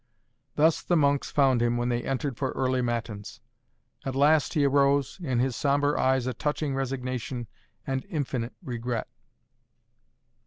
Thus the monks found him when they entered for early Matins. At last he arose, in his sombre eyes a touching resignation and infinite regret.